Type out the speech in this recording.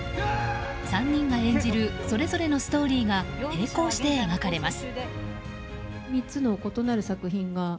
３人が演じるそれぞれのストーリーが並行して描かれます。